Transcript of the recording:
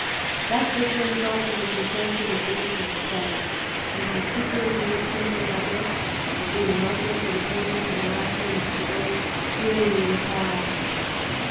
That veteran fighter was himself in the thickest of the fray, and, conspicuous in his crimson doublet, had been an object of attention to the marksmen of Chabelli during the entire action.